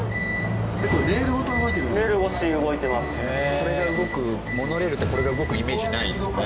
これが動くモノレールってこれが動くイメージないですよね。